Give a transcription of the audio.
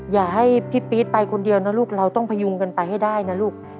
อย่าให้พี่ปี๊ดไปคนเดียวนะลูกเราต้องพยุงกันไปให้ได้นะลูก